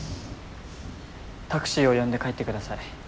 タクシーを呼んで帰ってください。